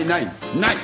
ない。